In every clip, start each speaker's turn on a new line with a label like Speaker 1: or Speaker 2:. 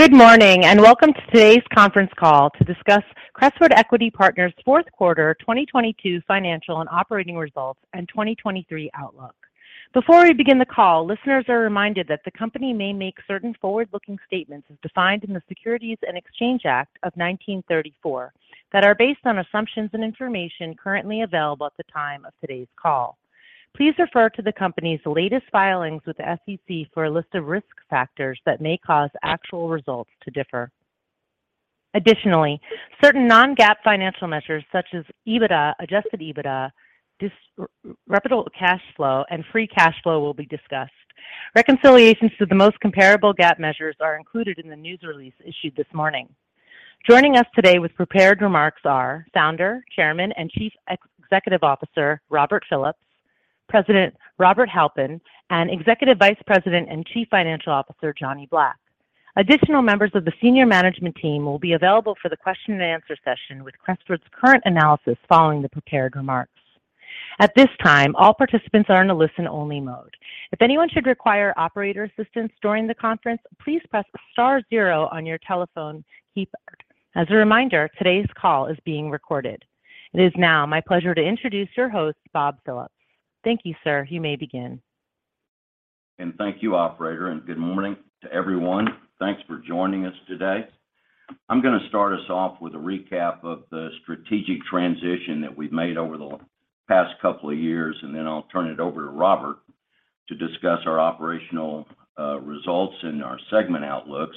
Speaker 1: Good morning, and welcome to today's conference call to discuss Crestwood Equity Partners' Q4 2022 financial and operating results and 2023 outlook. Before we begin the call, listeners are reminded that the company may make certain forward-looking statements as defined in the Securities Exchange Act of 1934, that are based on assumptions and information currently available at the time of today's call. Please refer to the company's latest filings with the SEC for a list of risk factors that may cause actual results to differ. Additionally, certain non-GAAP financial measures such as EBITDA, adjusted EBITDA, distributable cash flow, and free cash flow will be discussed. Reconciliations to the most comparable GAAP measures are included in the news release issued this morning. Joining us today with prepared remarks are Founder, Chairman, and Chief Executive Officer, Robert Phillips, President Robert Halpin, and Executive Vice President and Chief Financial Officer, Johnny Black. Additional members of the senior management team will be available for the question and answer session with Crestwood's current analysis following the prepared remarks. At this time, all participants are in a listen-only mode. If anyone should require operator assistance during the conference, please press * 0 on your telephone keypad. As a reminder, today's call is being recorded. It is now my pleasure to introduce your host, Bob Phillips. Thank you, sir. You may begin.
Speaker 2: Thank you, Operator, and good morning to everyone. Thanks for joining us today. I'm gonna start us off with a recap of the strategic transition that we've made over the past couple of years, and then I'll turn it over to Robert to discuss our operational results and our segment outlooks.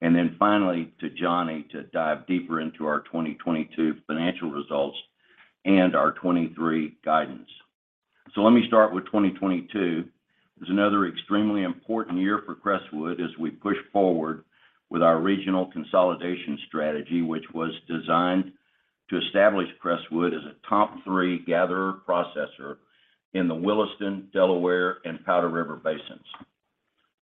Speaker 2: Then finally, to Johnny to dive deeper into our 2022 financial results and our 2023 guidance. Let me start with 2022. It was another extremely important year for Crestwood as we push forward with our regional consolidation strategy, which was designed to establish Crestwood as a top 3 gatherer, processor in the Williston, Delaware, and Powder River Basins.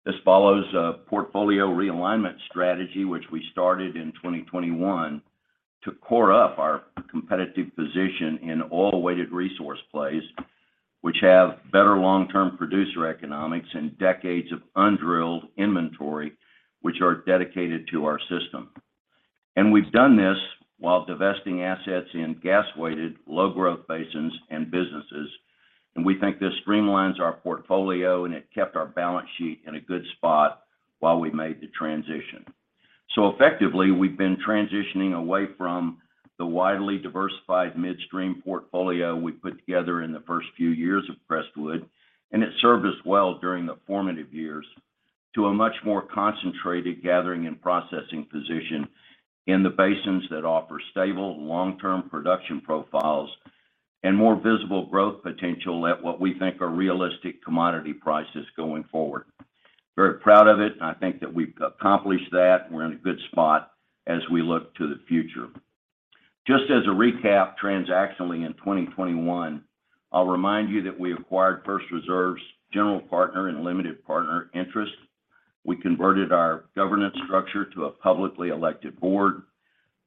Speaker 2: This follows a portfolio realignment strategy, which we started in 2021 to core up our competitive position in oil-weighted resource plays, which have better long-term producer economics and decades of undrilled inventory which are dedicated to our system. We've done this while divesting assets in gas-weighted, low growth basins and businesses, and we think this streamlines our portfolio, and it kept our balance sheet in a good spot while we made the transition. Effectively, we've been transitioning away from the widely diversified midstream portfolio we put together in the 1st few years of Crestwood, and it served us well during the formative years to a much more concentrated gathering and processing position in the basins that offer stable, long-term production profiles and more visible growth potential at what we think are realistic commodity prices going forward. Very proud of it, and I think that we've accomplished that, and we're in a good spot as we look to the future. Just as a recap, transactionally in 2021, I'll remind you that we acquired First Reserve's general partner and limited partner interest. We converted our governance structure to a publicly elected board.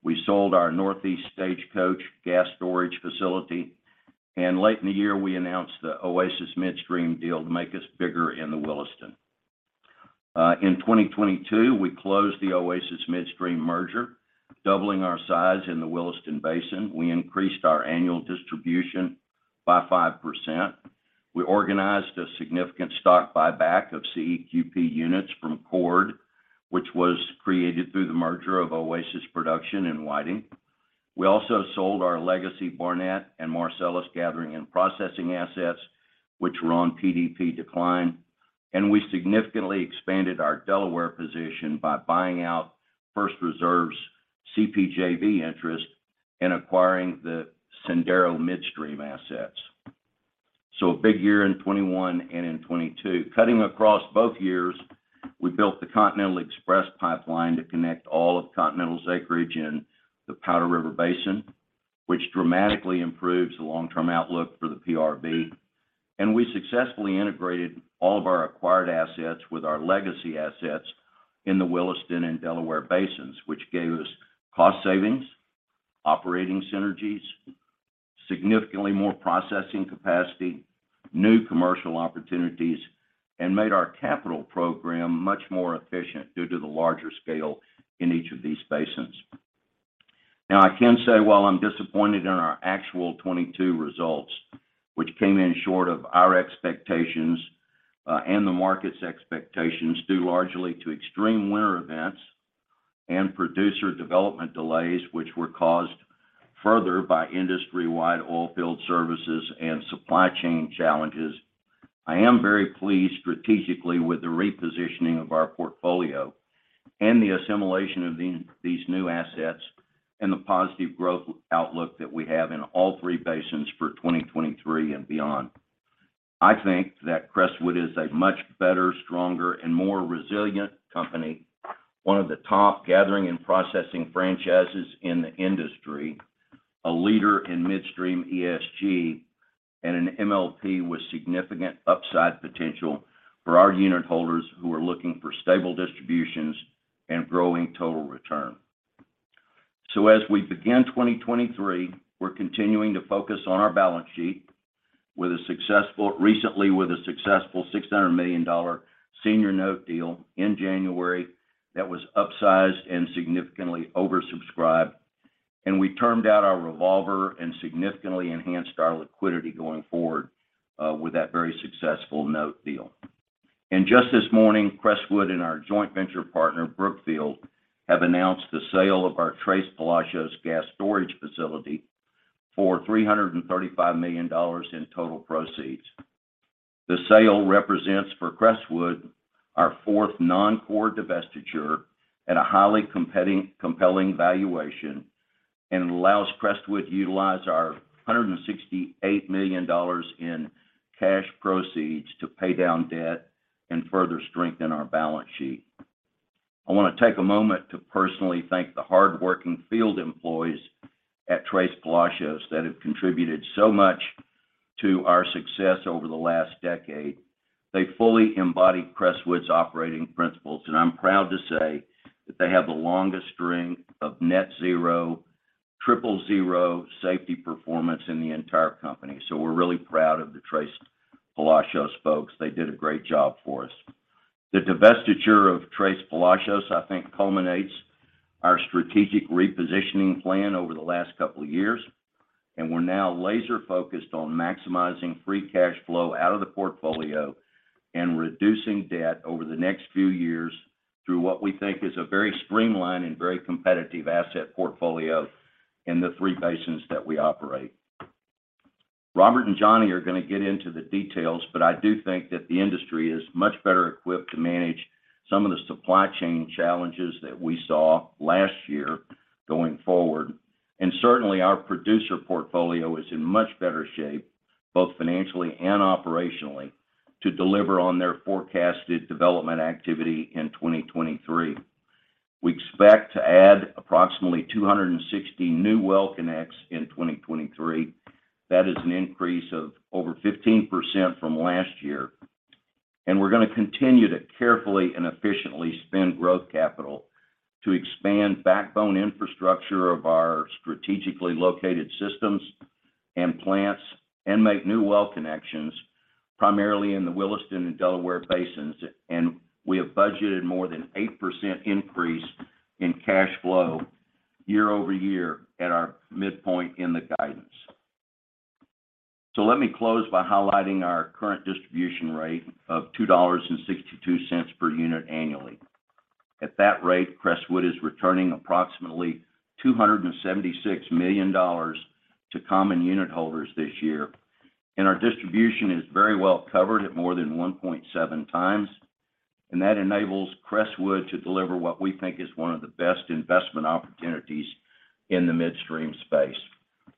Speaker 2: We sold our Northeast Stagecoach gas storage facility. Late in the year, we announced the Oasis Midstream deal to make us bigger in the Williston. In 2022, we closed the Oasis Midstream merger, doubling our size in the Williston Basin. We increased our annual distribution by 5%. We organized a significant stock buyback of CEQP units from Chord Energy, which was created through the merger of Oasis production in Whiting. We also sold our legacy Barnett and Marcellus gathering and processing assets, which were on PDP decline. We significantly expanded our Delaware position by buying out First Reserve's CPJV interest in acquiring the Sendero Midstream assets. A big year in 21 and in 22. Cutting across both years, we built the Continental Express pipeline to connect all of Continental's acreage in the Powder River Basin, which dramatically improves the long-term outlook for the PRB. We successfully integrated all of our acquired assets with our legacy assets in the Williston and Delaware Basins, which gave us cost savings, operating synergies, significantly more processing capacity, new commercial opportunities, and made our capital program much more efficient due to the larger scale in each of these basins. I can say while I'm disappointed in our actual 2022 results, which came in short of our expectations, and the market's expectations, due largely to extreme winter events and producer development delays, which were caused further by industry-wide oil field services and supply chain challenges. I am very pleased strategically with the repositioning of our portfolio and the assimilation of these new assets and the positive growth outlook that we have in all 3 basins for 2023 and beyond. I think that Crestwood is a much better, stronger, and more resilient company, 1 of the top gathering and processing franchises in the industry, a leader in midstream ESG, and an MLP with significant upside potential for our unit holders who are looking for stable distributions and growing total return. As we begin 2023, we're continuing to focus on our balance sheet with a successful $600 million senior note deal in January that was upsized and significantly oversubscribed. We termed out our revolver and significantly enhanced our liquidity going forward with that very successful note deal. Just this morning, Crestwood and our joint venture partner, Brookfield, have announced the sale of our Tres Palacios gas storage facility for $335 million in total proceeds. The sale represents for Crestwood our 4th non-core divestiture at a highly compelling valuation. It allows Crestwood to utilize our $168 million in cash proceeds to pay down debt and further strengthen our balance sheet. I want to take a moment to personally thank the hardworking field employees at Tres Palacios that have contributed so much to our success over the last decade. They fully embody Crestwood's operating principles. I'm proud to say that they have the longest string of net zero, 000 safety performance in the entire company. We're really proud of the Tres Palacios folks. They did a great job for us. The divestiture of Tres Palacios, I think, culminates our strategic repositioning plan over the last couple of years, and we're now laser-focused on maximizing free cash flow out of the portfolio and reducing debt over the next few years through what we think is a very streamlined and very competitive asset portfolio in the 3 basins that we operate. Robert and Johnny are going to get into the details, but I do think that the industry is much better equipped to manage some of the supply chain challenges that we saw last year going forward. Certainly, our producer portfolio is in much better shape, both financially and operationally, to deliver on their forecasted development activity in 2023. We expect to add approximately 260 new well connects in 2023. That is an increase of over 15% from last year. We're gonna continue to carefully and efficiently spend growth capital to expand backbone infrastructure of our strategically located systems and plants and make new well connects primarily in the Williston and Delaware Basins. We have budgeted more than 8% increase in cash flow year-over-year at our midpoint in the guidance. Let me close by highlighting our current distribution rate of $2.62 per unit annually. At that rate, Crestwood is returning approximately $276 million to common unit holders this year. Our distribution is very well covered at more than 1.7 times, and that enables Crestwood to deliver what we think is 1 of the best investment opportunities in the midstream space.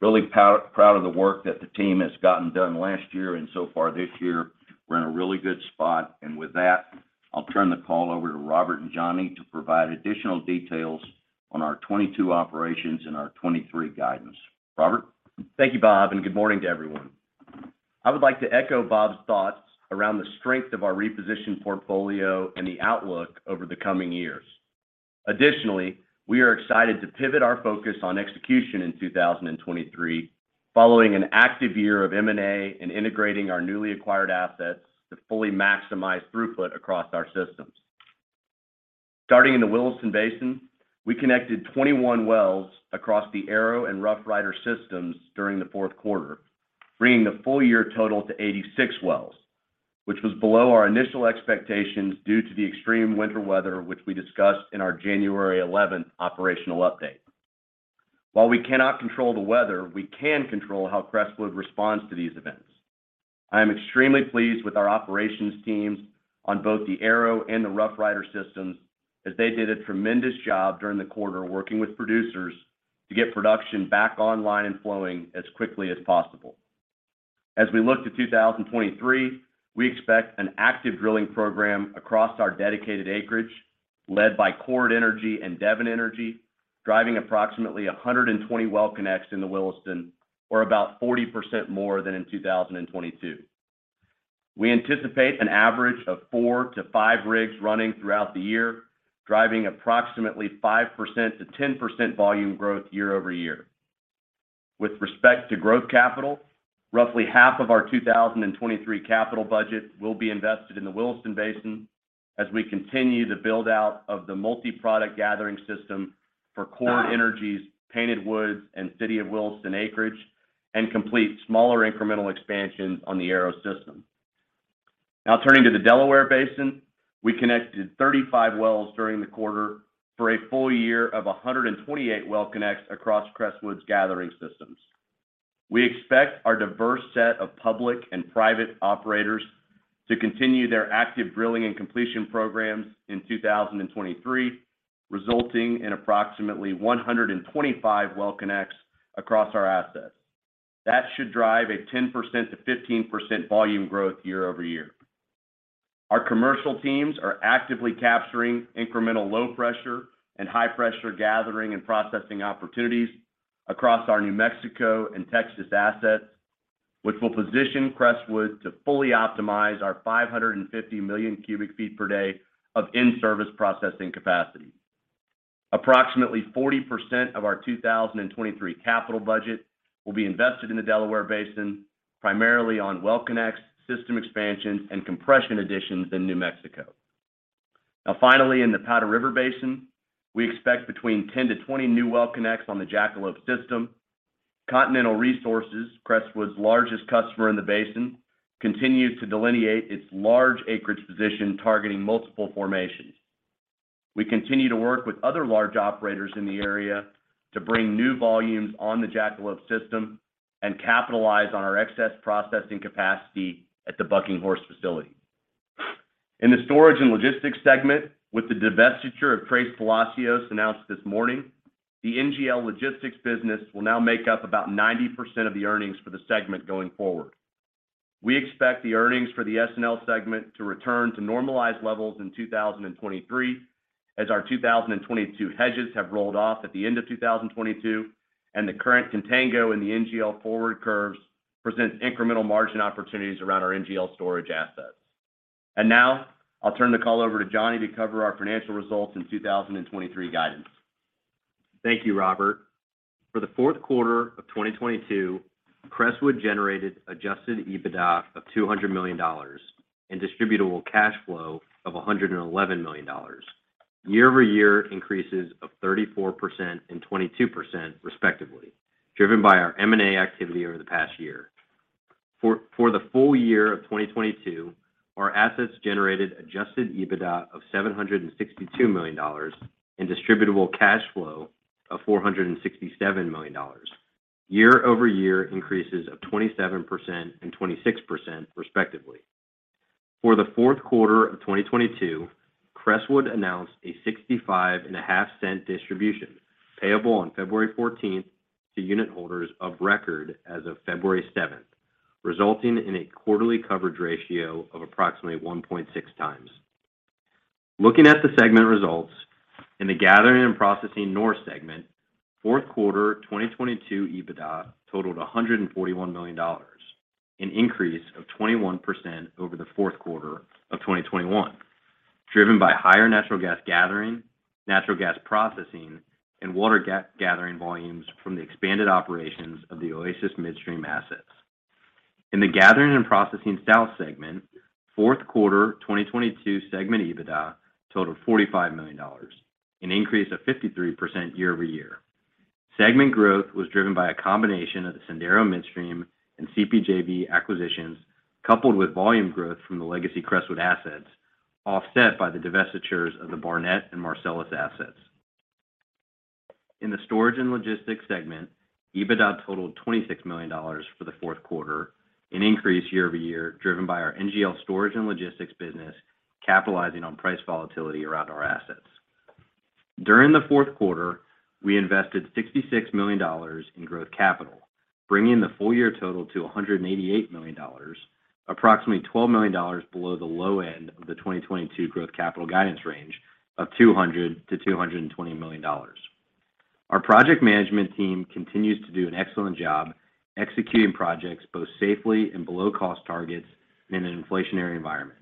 Speaker 2: Really proud of the work that the team has gotten done last year and so far this year. We're in a really good spot. With that, I'll turn the call over to Robert and Johnny to provide additional details on our 2022 operations and our 2023 guidance. Robert?
Speaker 3: Thank you, Bob. Good morning to everyone. I would like to echo Bob's thoughts around the strength of our repositioned portfolio and the outlook over the coming years. Additionally, we are excited to pivot our focus on execution in 2023 following an active year of M&A and integrating our newly acquired assets to fully maximize throughput across our systems. Starting in the Williston Basin, we connected 21 wells across the Arrow and Roughrider systems during the Q4, bringing the full year total to 86 wells, which was below our initial expectations due to the extreme winter weather, which we discussed in our January 11th operational update. While we cannot control the weather, we can control how Crestwood responds to these events. I am extremely pleased with our operations teams on both the Arrow and the Roughrider systems as they did a tremendous job during the quarter working with producers to get production back online and flowing as quickly as possible. As we look to 2023, we expect an active drilling program across our dedicated acreage led by Chord Energy and Devon Energy, driving approximately 120 well connects in the Williston or about 40% more than in 2022. We anticipate an average of 4-5 rigs running throughout the year, driving approximately 5%-10% volume growth year-over-year. With respect to growth capital, roughly half of our 2023 capital budget will be invested in the Williston Basin as we continue the build-out of the multi-product gathering system for Chord Energy's Painted Woods and City of Williston acreage and complete smaller incremental expansions on the Arrow system. Turning to the Delaware Basin, we connected 35 wells during the quarter for a full year of 128 well connects across Crestwood's gathering systems. We expect our diverse set of public and private operators to continue their active drilling and completion programs in 2023, resulting in approximately 125 well connects across our assets. That should drive a 10% to 15% volume growth year-over-year. Our commercial teams are actively capturing incremental low-pressure and high-pressure gathering and processing opportunities across our New Mexico and Texas assets, which will position Crestwood to fully optimize our 550 million cubic feet per day of in-service processing capacity. Approximately 40% of our 2023 capital budget will be invested in the Delaware Basin, primarily on well connects, system expansions and compression additions in New Mexico. Finally, in the Powder River Basin, we expect between 10-20 new well connects on the Jackalope system. Continental Resources, Crestwood's largest customer in the basin, continues to delineate its large acreage position targeting multiple formations. We continue to work with other large operators in the area to bring new volumes on the Jackalope system and capitalize on our excess processing capacity at the Bucking Horse facility. In the storage and logistics segment, with the divestiture of Tres Palacios announced this morning, the NGL Logistics business will now make up about 90% of the earnings for the segment going forward. We expect the earnings for the S&L segment to return to normalized levels in 2023 as our 2022 hedges have rolled off at the end of 2022, and the current contango in the NGL forward curves present incremental margin opportunities around our NGL storage assets. Now I'll turn the call over to Johnny to cover our financial results in 2023 guidance.
Speaker 4: Thank you, Robert. For the Q4 of 2022, Crestwood generated adjusted EBITDA of $200 million and distributable cash flow of $111 million. Year-over-year increases of 34% and 22% respectively, driven by our M&A activity over the past year. For the full year of 2022, our assets generated adjusted EBITDA of $762 million and distributable cash flow of $467 million. Year-over-year increases of 27% and 26% respectively. For the Q4 of 2022, Crestwood announced a $0.655 distribution payable on February 14th to unit holders of record as of February 7th, resulting in a quarterly coverage ratio of approximately 1.6 times. Looking at the segment results, in the Gathering and Processing North segment, Q4 2022 EBITDA totaled $141 million, an increase of 21% over the Q4 of 2021, driven by higher natural gas gathering, natural gas processing and water gathering volumes from the expanded operations of the Oasis Midstream assets. In the Gathering and Processing South segment, Q4 2022 segment EBITDA totaled $45 million, an increase of 53% year-over-year. Segment growth was driven by a combination of the Sendero Midstream and CPJV acquisitions, coupled with volume growth from the legacy Crestwood assets, offset by the divestitures of the Barnett and Marcellus assets. In the storage and logistics segment, EBITDA totaled $26 million for the Q4, an increase year-over-year, driven by our NGL Storage and Logistics business capitalizing on price volatility around our assets. During the Q4, we invested $66 million in growth capital, bringing the full year total to $188 million, approximately $12 million below the low end of the 2022 growth capital guidance range of $200 million to $220 million. Our project management team continues to do an excellent job executing projects both safely and below cost targets in an inflationary environment.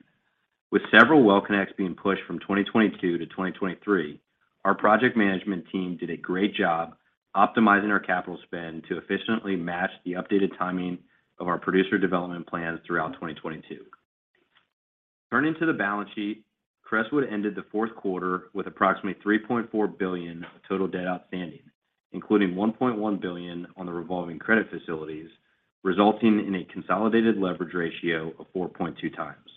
Speaker 4: With several well connects being pushed from 2022 to 2023, our project management team did a great job optimizing our capital spend to efficiently match the updated timing of our producer development plans throughout 2022. Turning to the balance sheet, Crestwood ended the Q4 with approximately $3.4 billion total debt outstanding, including $1.1 billion on the revolving credit facilities, resulting in a consolidated leverage ratio of 4.2 times.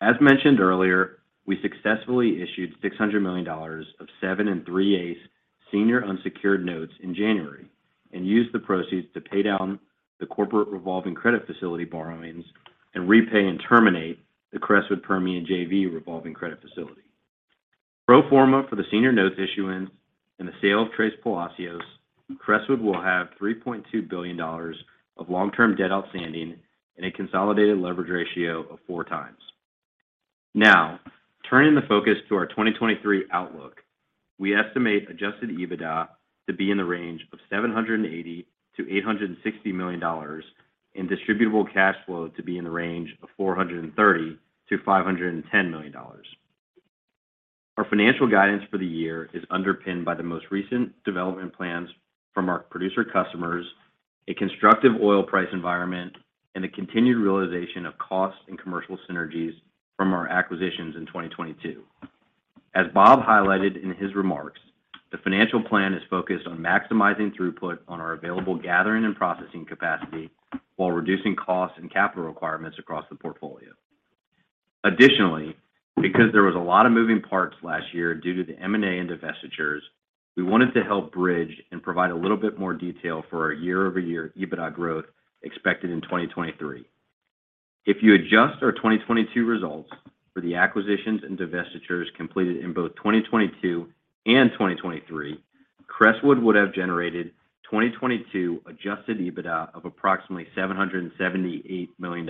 Speaker 4: As mentioned earlier, we successfully issued $600 million of 7 3/8 senior unsecured notes in January and used the proceeds to pay down the corporate revolving credit facility borrowings and repay and terminate the Crestwood Permian JV revolving credit facility. Pro forma for the senior notes issuance and the sale of Tres Palacios, Crestwood will have $3.2 billion of long-term debt outstanding and a consolidated leverage ratio of 4 times. Turning the focus to our 2023 outlook, we estimate adjusted EBITDA to be in the range of $780 million to $860 million and distributable cash flow to be in the range of $430 million to $510 million. Our financial guidance for the year is underpinned by the most recent development plans from our producer customers, a constructive oil price environment, and the continued realization of costs and commercial synergies from our acquisitions in 2022. As Bob highlighted in his remarks, the financial plan is focused on maximizing throughput on our available gathering and processing capacity while reducing costs and capital requirements across the portfolio. Because there was a lot of moving parts last year due to the M&A and divestitures, we wanted to help bridge and provide a little bit more detail for our year-over-year EBITDA growth expected in 2023. If you adjust our 2022 results for the acquisitions and divestitures completed in both 2022 and 2023, Crestwood would have generated 2022 adjusted EBITDA of approximately $778 million.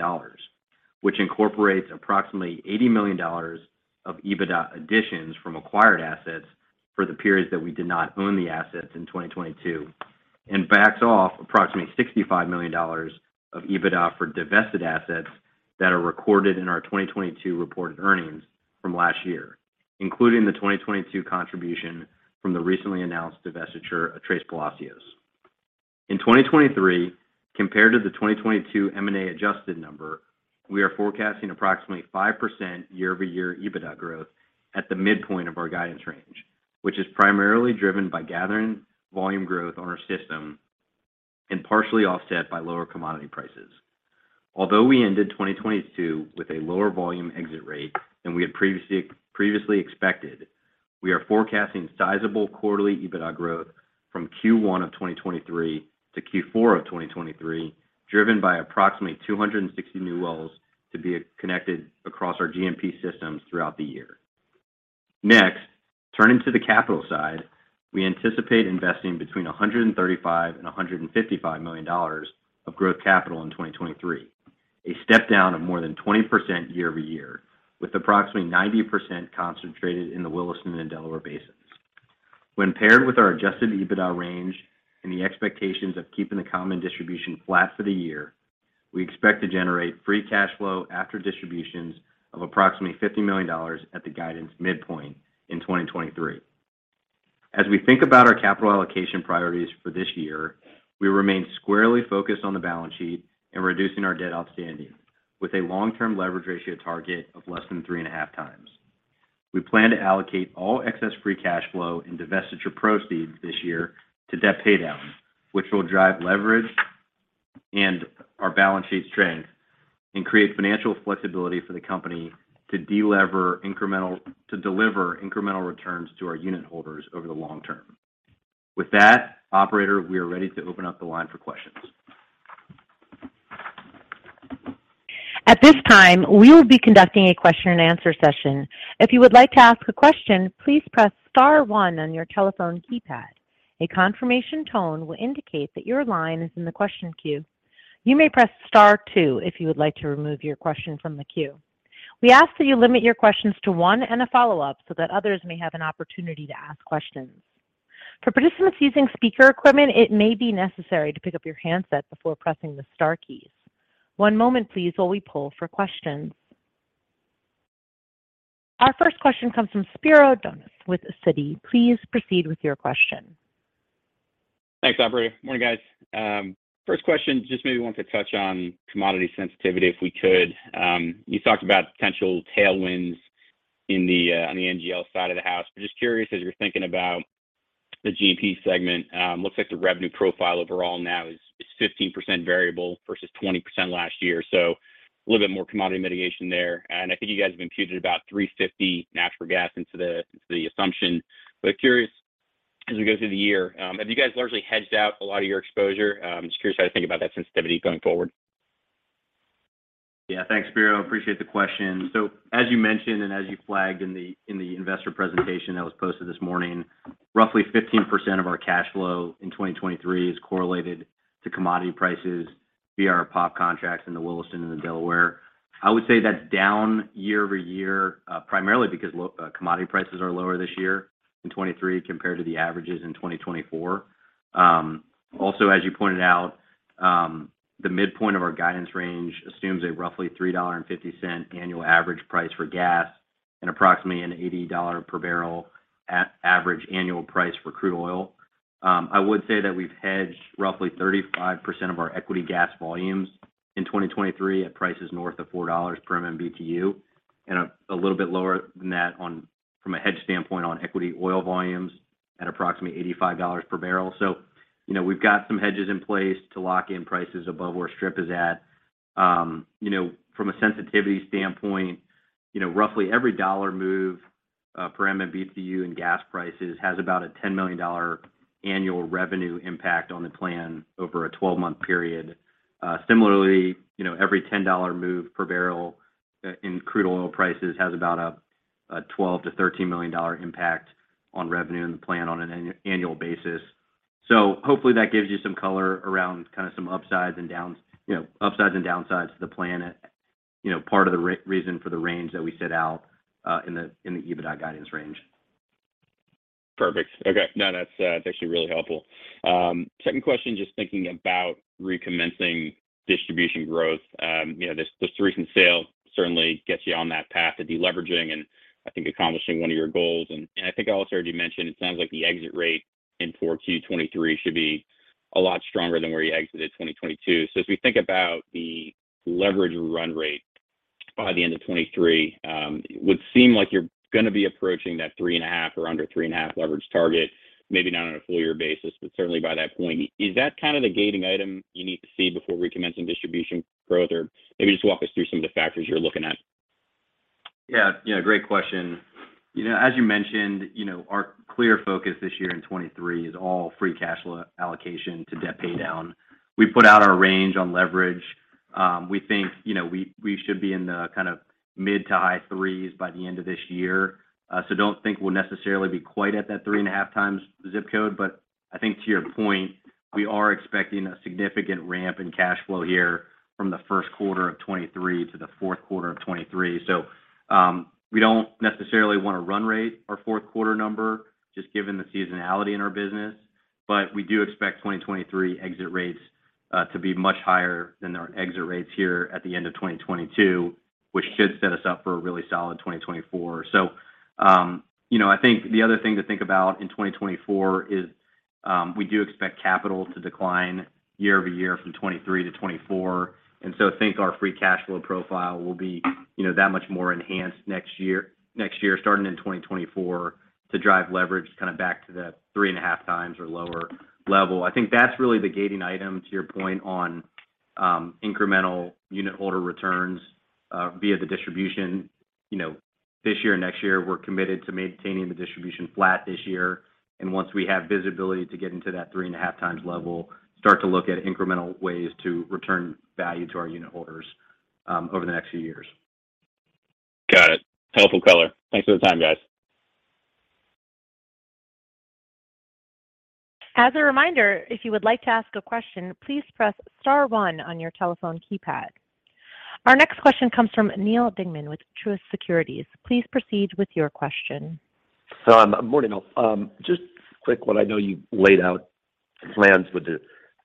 Speaker 4: Which incorporates approximately $80 million of EBITDA additions from acquired assets for the periods that we did not own the assets in 2022, and backs off approximately $65 million of EBITDA for divested assets that are recorded in our 2022 reported earnings from last year, including the 2022 contribution from the recently announced divestiture of Tres Palacios. In 2023, compared to the 2022 M&A adjusted number, we are forecasting approximately 5% year-over-year EBITDA growth at the midpoint of our guidance range, which is primarily driven by gathering volume growth on our system and partially offset by lower commodity prices. Although we ended 2022 with a lower volume exit rate than we had previously expected, we are forecasting sizable quarterly EBITDA growth from Q1 of 2023 to Q4 of 2023, driven by approximately 260 new wells to be connected across our GNP systems throughout the year. Turning to the capital side, we anticipate investing between $135 million and $155 million of growth capital in 2023, a step down of more than 20% year-over-year, with approximately 90% concentrated in the Williston and Delaware basins. When paired with our adjusted EBITDA range and the expectations of keeping the common distribution flat for the year, we expect to generate free cash flow after distributions of approximately $50 million at the guidance midpoint in 2023. As we think about our capital allocation priorities for this year, we remain squarely focused on the balance sheet and reducing our debt outstanding with a long-term leverage ratio target of less than 3.5 times. We plan to allocate all excess free cash flow and divestiture proceeds this year to debt paydown, which will drive leverage and our balance sheet strength and create financial flexibility for the company to deliver incremental returns to our unit holders over the long term. With that, operator, we are ready to open up the line for questions.
Speaker 1: At this time, we will be conducting a question and answer session. If you would like to ask a question, please press * 1 on your telephone keypad. A confirmation tone will indicate that your line is in the question queue. You may press * 2 if you would like to remove your question from the queue. We ask that you limit your questions to 1 and a follow-up so that others may have an opportunity to ask questions. For participants using speaker equipment, it may be necessary to pick up your handset before pressing the star keys. One moment, please, while we poll for questions. Our 1st question comes from Spiro Dounis with Citi. Please proceed with your question.
Speaker 5: Thanks, operator. Morning, guys. 1st question, just maybe want to touch on commodity sensitivity, if we could. You talked about potential tailwinds in the on the NGL side of the house. Just curious, as you're thinking about the GNP segment, looks like the revenue profile overall now is 15% variable versus 20% last year. A little bit more commodity mitigation there. I think you guys have imputed about $3.50 natural gas into the into the assumption. Curious, as we go through the year, have you guys largely hedged out a lot of your exposure? Just curious how to think about that sensitivity going forward.
Speaker 4: Thanks, Spiro. Appreciate the question. As you mentioned, and as you flagged in the investor presentation that was posted this morning, roughly 15% of our cash flow in 2023 is correlated to commodity prices via our POP contracts in the Williston and the Delaware. I would say that's down year-over-year, primarily because commodity prices are lower this year in 2023 compared to the averages in 2024. Also, as you pointed out, the midpoint of our guidance range assumes a roughly $3.50 annual average price for gas and approximately an $80 per barrel average annual price for crude oil. I would say that we've hedged roughly 35% of our equity gas volumes in 2023 at prices north of $4 per MMBtu, and a little bit lower than that on from a hedge standpoint on equity oil volumes at approximately $85 per barrel. You know, we've got some hedges in place to lock in prices above where strip is at. You know, from a sensitivity standpoint, you know, roughly every dollar move per MMBtu in gas prices has about a $10 million annual revenue impact on the plan over a 12-month period. Similarly, you know, every $10 move per barrel in crude oil prices has about a $12 million to $13 million impact on revenue in the plan on an annual basis. Hopefully that gives you some color around kind of some upsides and downs, you know, upsides and downsides to the plan, you know, part of the reason for the range that we set out, in the, in the EBITDA guidance range.
Speaker 5: Perfect. Okay. No, that's actually really helpful. 2nd question, just thinking about recommencing distribution growth. You know, this recent sale certainly gets you on that path to deleveraging and I think accomplishing 1 of your goals. I think Alex already mentioned it sounds like the exit rate in 4Q 2023 should be a lot stronger than where you exited 2022. As we think about the leverage run rate by the end of 2023, it would seem like you're gonna be approaching that 3.5 or under 3.5 leverage target, maybe not on a full year basis, but certainly by that point. Is that kind of the gating item you need to see before recommencing distribution growth? Or maybe just walk us through some of the factors you're looking at.
Speaker 4: Great question. You know, as you mentioned, you know, our clear focus this year in 2023 is all free cash allocation to debt paydown. We put out our range on leverage. We think, you know, we should be in the kind of mid to high 3s by the end of this year. Don't think we'll necessarily be quite at that 3.5 times zip code. I think to your point, we are expecting a significant ramp in cash flow here from the Q1 of 2023 to the Q4 of 2023. We don't necessarily wanna run rate our Q4 number just given the seasonality in our business, but we do expect 2023 exit rates to be much higher than our exit rates here at the end of 2022, which should set us up for a really solid 2024. You know, I think the other thing to think about in 2024 is we do expect capital to decline year-over-year from 23 to 24. I think our free cash flow profile will be, you know, that much more enhanced next year, starting in 2024 to drive leverage kinda back to the 3.5 times or lower level. I think that's really the gating item to your point on incremental unit holder returns via the distribution. You know, this year, next year, we're committed to maintaining the distribution flat this year. Once we have visibility to get into that 3.5x level, start to look at incremental ways to return value to our unit holders, over the next few years.
Speaker 5: Got it. Helpful color. Thanks for the time, guys.
Speaker 1: As a reminder, if you would like to ask a question, please press * 1 on your telephone keypad. Our next question comes from Neal Dingmann with Truist Securities. Please proceed with your question.
Speaker 6: Morning all. Just quick 1. I know you laid out plans with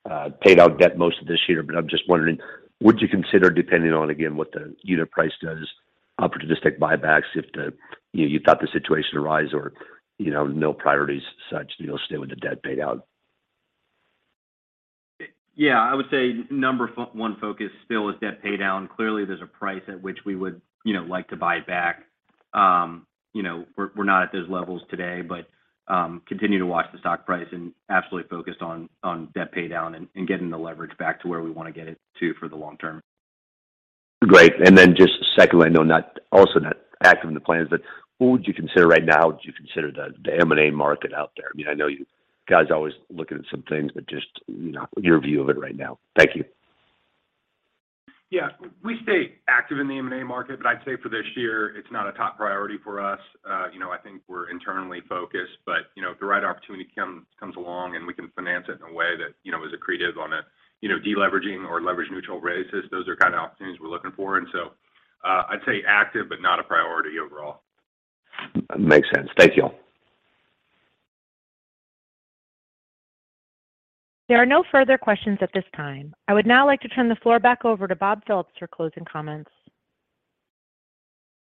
Speaker 6: the paid out debt most of this year, but I'm just wondering, would you consider, depending on again what the unit price does, opportunistic buybacks if you know, you thought the situation arise or, you know, no priorities such that you'll stay with the debt paid out?
Speaker 4: I would say number 1 focus still is debt pay down. Clearly, there's a price at which we would, you know, like to buy back. You know, we're not at those levels today, but continue to watch the stock price and absolutely focused on debt pay down and getting the leverage back to where we wanna get it to for the long term.
Speaker 6: Great. Then just secondly, I know not also not active in the plans, but who would you consider right now? Would you consider the M&A market out there? I mean, I know you guys are always looking at some things, but just, you know, your view of it right now. Thank you.
Speaker 4: We stay active in the M&A market, but I'd say for this year, it's not a top priority for us. You know, I think we're internally focused, but, you know, if the right opportunity comes along and we can finance it in a way that, you know, is accretive on a, you know, deleveraging or leverage neutral basis, those are kinda opportunities we're looking for. I'd say active, but not a priority overall.
Speaker 6: Makes sense. Thank you.
Speaker 1: There are no further questions at this time. I would now like to turn the floor back over to Bob Phillips for closing comments.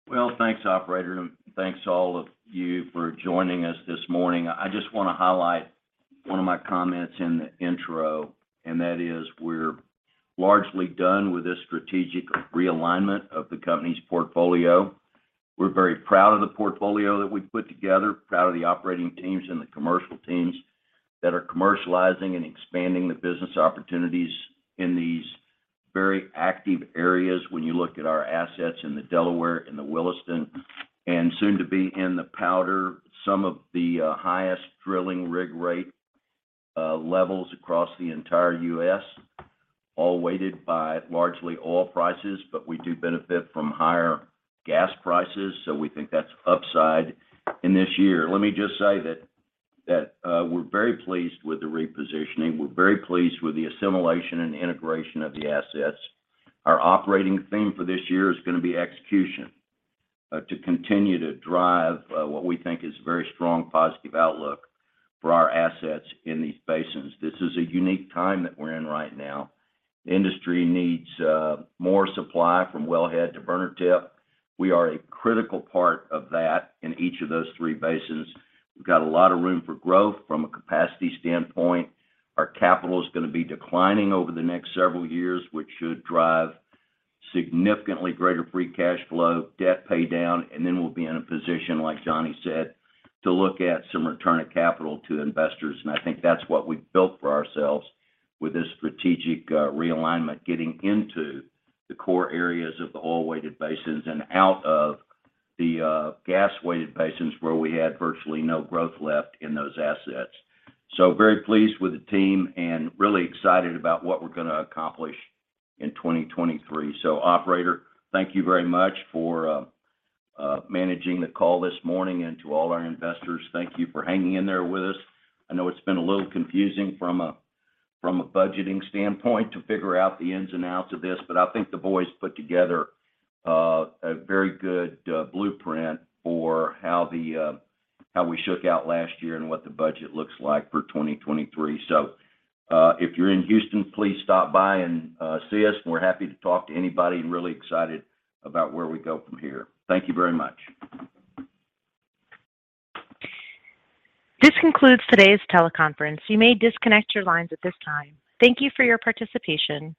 Speaker 2: Well, thanks, operator, thanks all of you for joining us this morning. I just wanna highlight 1 of my comments in the intro, that is we're largely done with this strategic realignment of the company's portfolio. We're very proud of the portfolio that we've put together, proud of the operating teams and the commercial teams that are commercializing and expanding the business opportunities in these very active areas when you look at our assets in the Delaware and the Williston, soon to be in the Powder, some of the highest drilling rig rate levels across the entire US, all weighted by largely oil prices, we do benefit from higher gas prices, we think that's upside in this year. Let me just say that, we're very pleased with the repositioning. We're very pleased with the assimilation and integration of the assets. Our operating theme for this year is gonna be execution, to continue to drive what we think is a very strong positive outlook for our assets in these basins. This is a unique time that we're in right now. The industry needs more supply from wellhead to burner tip. We are a critical part of that in each of those 3 basins. We've got a lot of room for growth from a capacity standpoint. Our capital is gonna be declining over the next several years, which should drive significantly greater free cash flow, debt pay down, and then we'll be in a position, like Johnny said, to look at some return of capital to investors. I think that's what we've built for ourselves with this strategic realignment, getting into the core areas of the oil-weighted basins and out of the gas-weighted basins where we had virtually no growth left in those assets. Very pleased with the team and really excited about what we're gonna accomplish in 2023. Operator, thank you very much for managing the call this morning. To all our investors, thank you for hanging in there with us. I know it's been a little confusing from a budgeting standpoint to figure out the ins and outs of this, but I think the boys put together a very good blueprint for how we shook out last year and what the budget looks like for 2023. If you're in Houston, please stop by and see us. We're happy to talk to anybody and really excited about where we go from here. Thank you very much.
Speaker 1: This concludes today's teleconference. You may disconnect your lines at this time. Thank you for your participation.